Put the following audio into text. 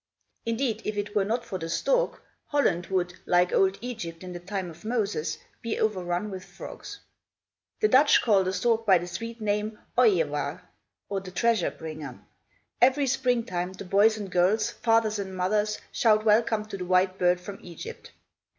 Indeed, if it were not for the stork, Holland would, like old Egypt, in the time of Moses, be overrun with frogs. The Dutch call the stork by the sweet name "Ooijevaar," or the treasure bringer. Every spring time, the boys and girls, fathers and mothers, shout welcome to the white bird from Egypt.